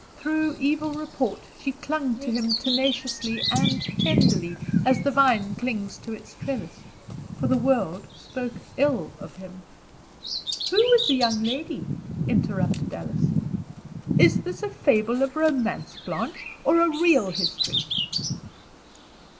Through evil report she clung to him tenaciously and tenderly as the vine clings to its trellis, for the world spoke ill of him." "Who was the young lady?" interrupted Alice. "Is this a fable of romance, Blanche, or a real history?"